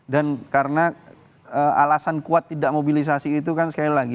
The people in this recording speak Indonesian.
dan karena alasan kuat tidak mobilisasi itu kan sekali lagi